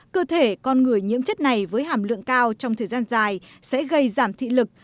cơ thể con người nhiễm chất này với hàm lượng cao trong thời gian dài sẽ gây giảm thị lực